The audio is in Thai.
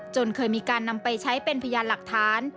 เคยมีการนำไปใช้เป็นพยานหลักฐาน